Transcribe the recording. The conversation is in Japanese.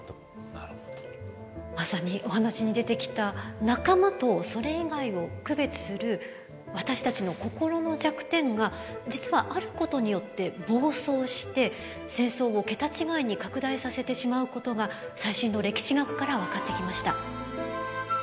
まさにお話に出てきた仲間とそれ以外を区別する私たちの心の弱点が実はあることによって暴走して戦争を桁違いに拡大させてしまうことが最新の歴史学から分かってきました。